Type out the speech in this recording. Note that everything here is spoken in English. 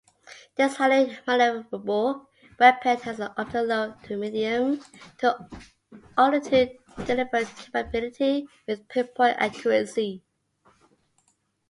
This highly maneuverable weapon has an optimal, low-to-medium altitude delivery capability with pinpoint accuracy.